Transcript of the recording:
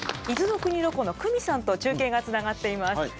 伊豆の国ロコの九美さんと中継がつながっています。